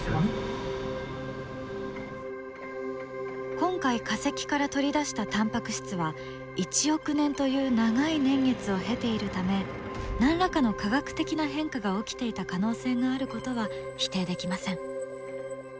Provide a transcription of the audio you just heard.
今回化石から取り出したタンパク質は１億年という長い年月を経ているため何らかの化学的な変化が起きていた可能性があることは否定できません。